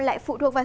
lại phụ thuộc vào